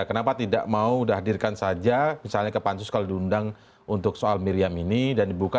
kenapa tidak mau dihadirkan saja misalnya ke pansus kalau diundang untuk soal miriam ini dan dibuka